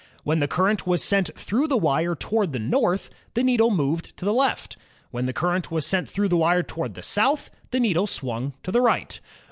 When the current was sent through the wire toward the north, the needle moved to the left. When the current was sent through the wire toward the south, the needle swung to the right.